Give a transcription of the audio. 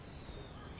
え？